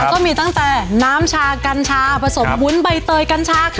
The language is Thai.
ก็มีตั้งแต่น้ำชากัญชาผสมวุ้นใบเตยกัญชาค่ะ